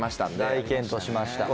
大健闘しました。